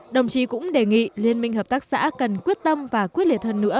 đồng chí cũng đề nghị liên minh hợp tác xã cần quyết tâm và quyết liệt hơn nữa